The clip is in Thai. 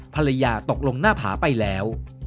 ภรรยาตกลงหน้าผาไปแล้ว